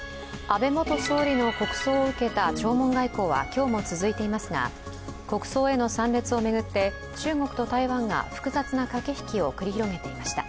安倍元総理の国葬を受けた弔問外交は今日も続いていますが、国葬への参列を巡って中国と台湾が複雑な駆け引きを繰り広げていました。